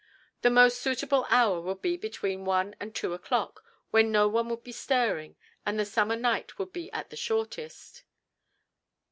The most suitable hour would be between one and two o'clock, when no one would be stirring, and the summer night would be at the shortest.